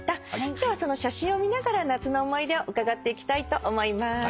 今日はその写真を見ながら夏の思い出を伺っていきたいと思います。